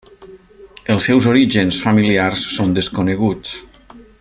Els seus orígens familiars són desconeguts.